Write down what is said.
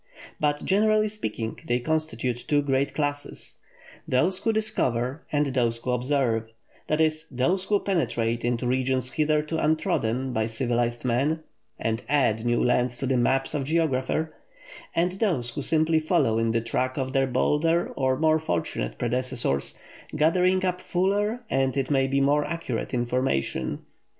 But, generally speaking, they constitute two great classes: those who discover, and those who observe that is, those who penetrate into regions hitherto untrodden by civilized men, and add new lands to the maps of the geographer; and those who simply follow in the track of their bolder or more fortunate predecessors, gathering up fuller, and, it may be, more accurate information.